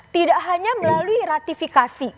tidak hanya melalui ratifikasi